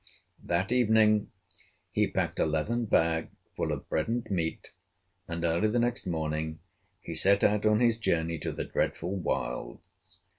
That evening he packed a leathern bag full of bread and meat, and early the next morning he set out on his journey to the dreadful wilds.